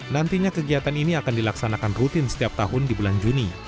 nantinya kegiatan ini akan dilaksanakan rutin setiap tahun di bulan juni